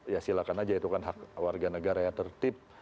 ya silahkan aja itu kan hak warga negara yang tertib